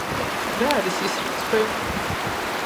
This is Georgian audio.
რა არის ის რიცხვი?